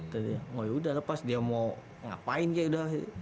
wah yaudah lepas dia mau ngapain ya udah